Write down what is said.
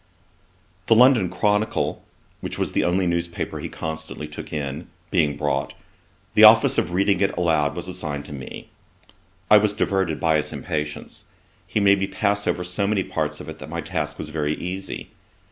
The London Chronicle, which was the only news paper he constantly took in, being brought, the office of reading it aloud was assigned to me. I was diverted by his impatience. He made me pass over so many parts of it, that my task was very easy.